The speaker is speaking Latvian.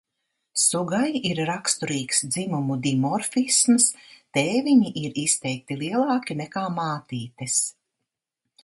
Sugai ir raksturīgs dzimumu dimorfisms – tēviņi ir izteikti lielāki nekā mātītes.